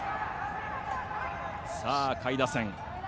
下位打線。